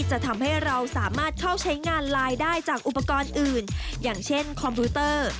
จะทำให้เราสามารถเข้าใช้งานไลน์ได้จากอุปกรณ์อื่นอย่างเช่นคอมพิวเตอร์